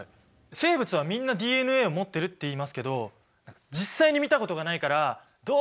生物はみんなＤＮＡを持ってるっていいますけど実際に見たことがないからどうも自信がないんですよね。